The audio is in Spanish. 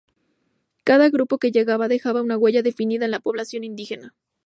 Cada grupo que llegaba dejaba una huella definida en la población indígena.